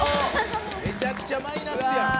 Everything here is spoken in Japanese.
めちゃくちゃマイナスやん。